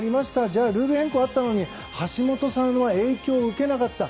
じゃあ、ルール変更があったのに橋本さんは影響を受けなかった。